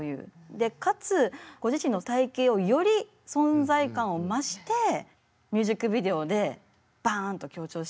でかつご自身の体型をより存在感を増してミュージックビデオでバンと強調しているという。